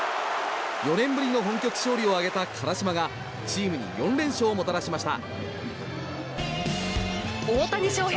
４年ぶりの本拠地勝利を挙げた辛島がチームに４連勝をもたらしました。